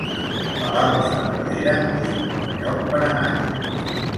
Palau-saverdera es un bon lloc per anar-hi